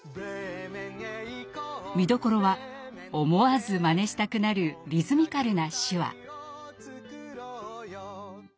見どころは思わずまねしたくなるリズミカルな手話。